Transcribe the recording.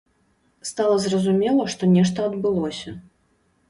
Стала зразумела, што нешта адбылося.